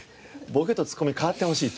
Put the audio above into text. ボケとツッコミ代わってほしいと。